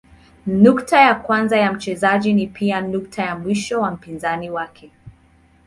Nukta ya kwanza ya mchezaji ni pia nukta ya mwisho wa mpinzani wake.